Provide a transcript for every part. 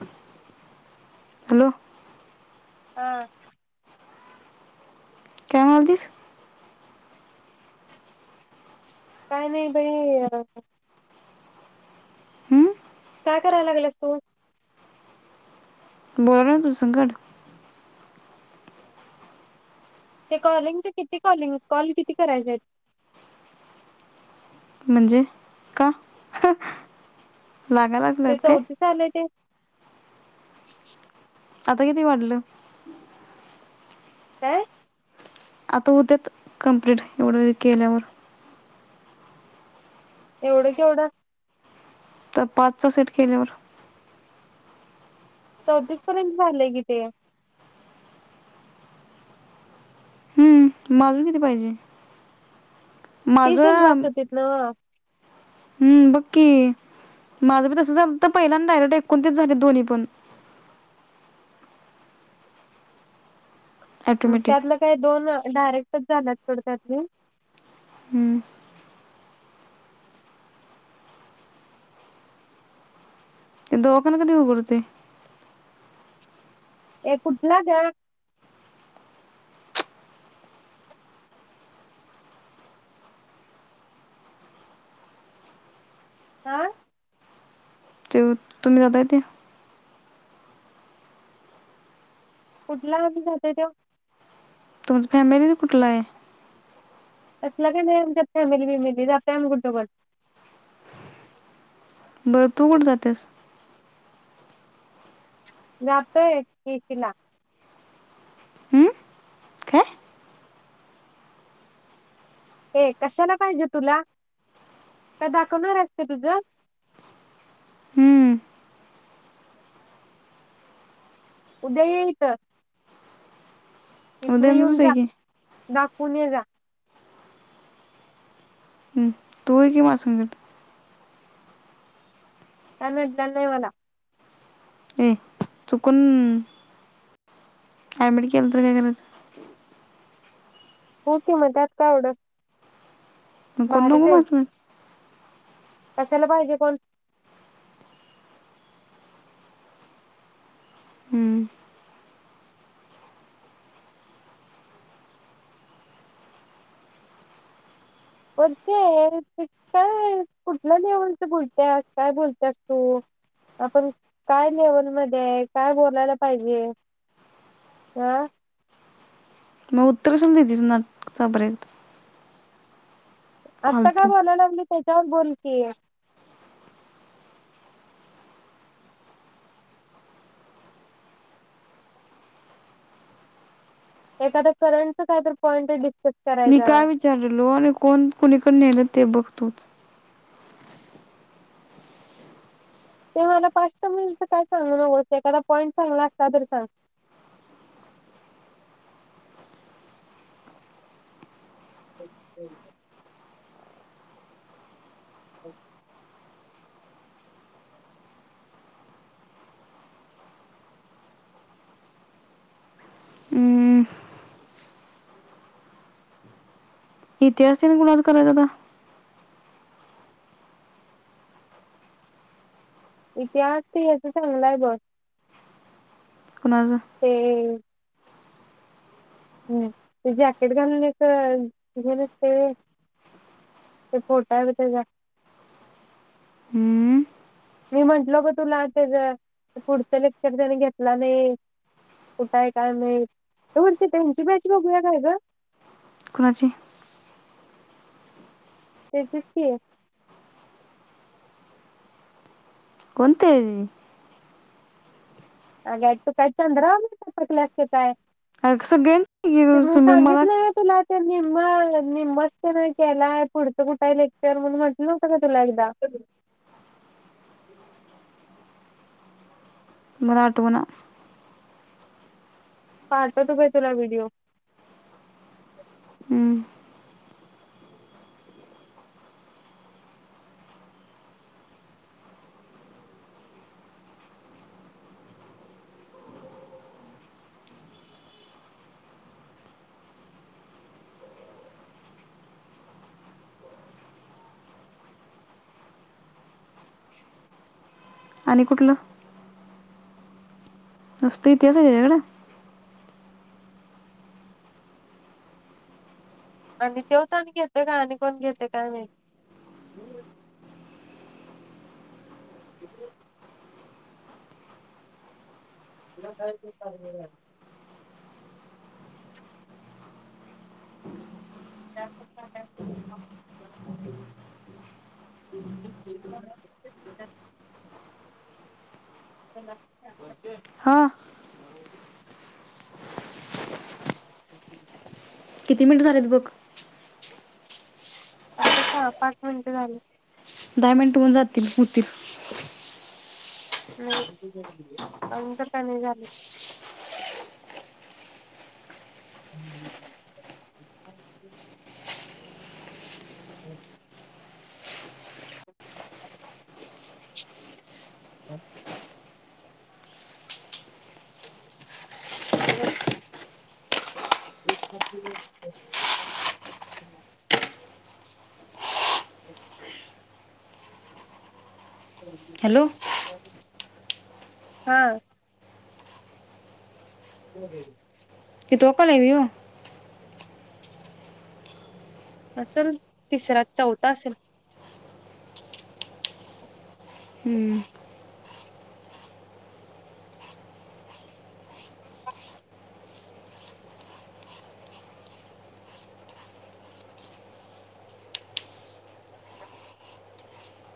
[inaudible] Hello! हा [inaudible] काय म्हणालतीस? काय नाही बाई? [unintelligible] हम्म काय कराय लागल्यास तू? बोल तू संगत ते कॉलिंग ते किती कॉलिंग कॉल किती करायचे आहेत? म्हणजे का? लागलात काय शुक शुक आता किती वाजलं? काय? आता होत्यात कंप्लीट एवढ्या वेळ केल्यावर. एवढं केवढं तर पाचचा सेट केल्यावर. चौतीस पर्यंत झालंय कि ते. म अजून किती पाहिजे? माझं [unintelligible] हम्म बघ की माझं बी तस झालं तर पहिल्यांदा आले, एकोणतीच झाली दोन्ही पण म ॲटोमॅटिक त्यातलं काय दोन डायरेक्टच झालात थोड त्यातले हम्म. [unintelligible] हे कुठल ग अह ते तुम्ही जाताय ते कुठला आ जातोय त्यो तुमच फॅमिलीच कुठलं आहे कसला बी नाही आमच्या फॅमिली विमिली जातय आम्ही कुठे पण बरं तू कठ जातेस? जाते [unintelligible] हम्म काय हे कशाला पाहिजे तुला? काय दाखवणार आहे ते तुझ उद्या येईल तो इथन येऊन उदयनगरच आहे जा की दा पुणे जा हम्म तू ये की माझ्या संगत. त्यांनडल्या नाही मला ए चुकून आयमेडकी केल तर काय करायचं हो की म त्यात काय एवढ [unintelligible] कशाला पाहिजे कोण? हं, वर्षा यार ते काय कुठल्या लेवलच बोलतेस काय बोलतस तू आपण काय लेवल मध्ये आहे काय बोलायला पाहिजे अह मग उत्तर असून [unintelligible] आत्ता का बोलायला लागली चल बोल की एखादा करंट कायतरी पॉईंट डिस्कस मी करायचा काय विचारलो आणि कोण कोणीकड नेल ते बघ तूच ते मला पाच सहा मिनिटं काय सांगनको एखादा पॉइंट चांगला असता तर सांग. अम् [unintelligible] [inaudible] हं, इतिहासिक गुलाच कय जाता. इतिहास ते ह्याच चांगलाय बघ. कुणाचा ते ए. हम्म ते जॅकेट घालून ते एक नसते होय ते पोटा विटा हं, मी म्हंटल ग तुला त्याच पुढचं लेक्चर त्याने घेतला नाही कुठं आहे काय माहित ही पुढची त्यांची बॅच बघूया काय ग? कोणाची? त्यांचीच की. कोणते? ए च काय चंद्रावर [unintelligible] असल काय. अ कसं गेन की ते मी स्विमिंग मला. सांगितलंय तुला निम्म निम्मच केलाय पुढचं कुठही लेक्चर म्हणून म्हटलं नव्हतं का तुला एकदा मला आठवना. पाहतो तू काय तुला व्हिडिओ. हम्म. शुक. आणि कुठलं. नुसते तेच घेणार. आणि तेवच आणि गेलते का आणि कोण गेलते काय माहित. हम्म. तिला काही तरी पाहिजे राहत. शुक [unintelligible] हा आ. शुक [unintelligible] किती मिनिट झालेत बघ? आता सहा पाच मिनिट झालेत. दहा मिनट होन जातील होतील. नाही अ नंतर चालु झाली. हम्म. हम्म. हमम [unintelligible] ह [unintelligible] तर [unintelligible] तर [unintelligible] मम [unintelligible] हम् [unintelligible] हॅलो अ. हा. हो हो [unintelligible] कि तोकलावो [unintelligible] असल तिसरा चौथा असेल.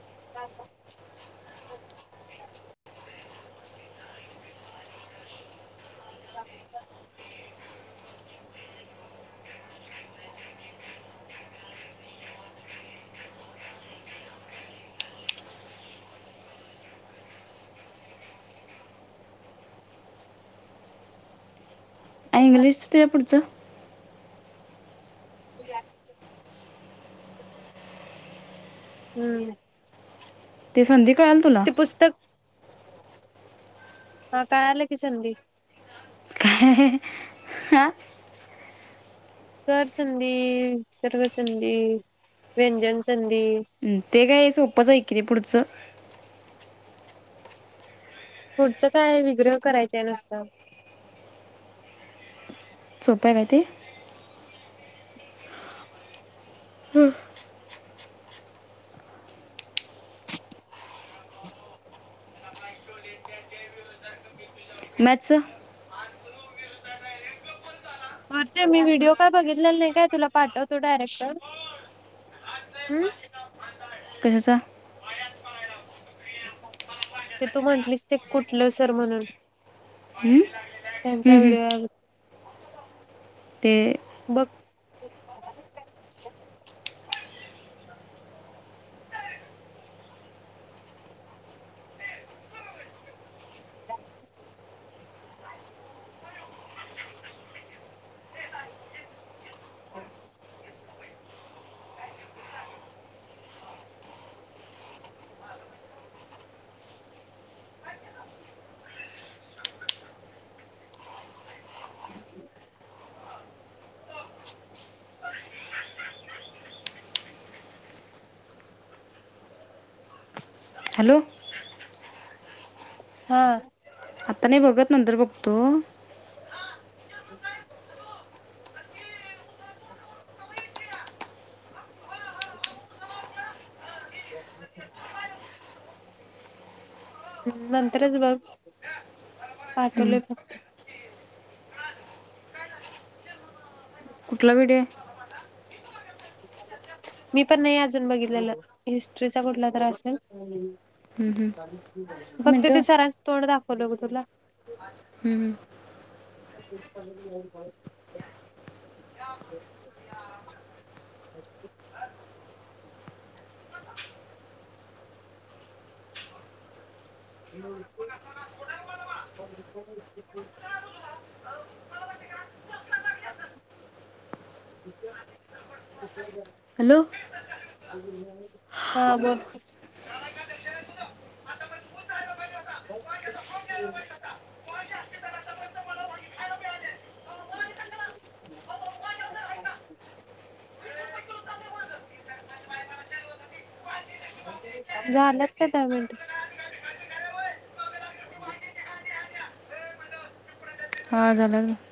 ह [unintelligible] जाऊ [unintelligible] इंग्लिश ते पुढच. जा [unintelligible] हम्म ते संधी कळाल तुला ते पुस्तक हा कळालं की सधी आ कर संधी सर्वसधी व्यंजन संधी हम ते काय सोपंच आहे कि ते पुढचं पुढचं काय विग्रह करायच आहे नुसतं सोपे आहे का ती हम्म मॅथ्स वर ते मी व्हिडीओ काय बघितलेला नाही काय, तुला पाठवतो डायरेक्ट हम कशाचं ते तू म्हटलीस ते कुठलं सर म्हणून हम्म त्यांचा हम्म हम्म व्हिडिओ ते बघ. [inaudible] [inaudible] हॅलो हा आता नाही बघत नंतर बघतो [inaudible] [inaudible] [inaudible] हम् नंतरच बघ, हम्म. पाठवलंय फक्त [inaudible] कुठला व्हिडिओ आहे. मी पण नाही अजून बघितलेलं हिस्ट्रीचा कुठला तर असेल [inaudible] हम्म, हम्म. एक फक्त मिनटं ते सरांच तोंड दाखवलं ग तुला हम्म, हम्म. [inaudible] [inaudible] [inaudible] हॅलो हा बोल [inaudible] [inaudible] झाल्यात का दहा मिनट हा झालं